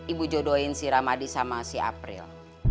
ibu jodohin si ramadi sama si april